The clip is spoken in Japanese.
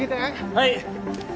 はい。